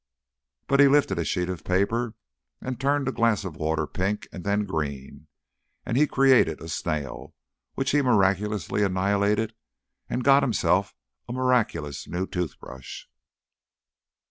But he lifted a sheet of paper, and turned a glass of water pink and then green, and he created a snail, which he miraculously annihilated, and got himself a miraculous new tooth brush.